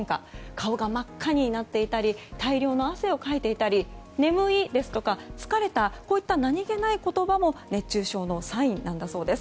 顔が真っ赤になっていたり大量の汗をかいていたり眠い、疲れたなどこういった何気ない言葉も熱中症のサインなんだそうです。